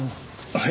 はい。